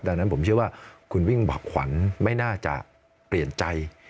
ดังนั้นผมเชื่อว่าคุณวิ่งบอกขวัญไม่น่าจะเปลี่ยนใจ